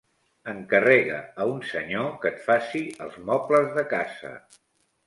Encarrega a un senyor que et faci els mobles de casa.